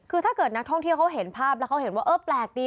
คือถ้าเกิดนักท่องเที่ยวเขาเห็นภาพแล้วเขาเห็นว่าเออแปลกดี